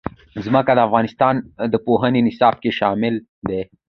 ځمکه د افغانستان د پوهنې نصاب کې شامل دي.